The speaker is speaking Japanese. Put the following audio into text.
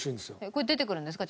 これ出てくるんですか？